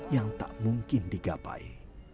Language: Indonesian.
yang mudah dilewati